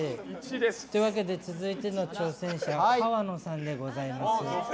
というわけで続いての挑戦者は川野さんでございます。